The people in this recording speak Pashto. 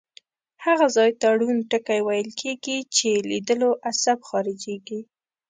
هغه ځای ته ړوند ټکی ویل کیږي چې لیدلو عصب خارجیږي.